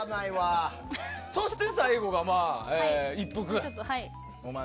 そして、最後が一服。